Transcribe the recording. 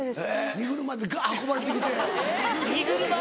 荷車でガ運ばれてきて。